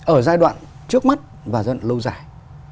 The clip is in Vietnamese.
ở giai đoạn trước mắt và giai đoạn lâu dài